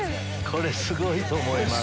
これすごいと思います。